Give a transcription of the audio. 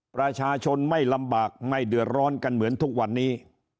ประชาชนไม่ลำบากไม่เดือดร้อนกันเหมือนทุกวันนี้